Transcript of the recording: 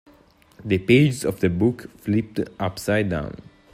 The pages of the book flipped upside down.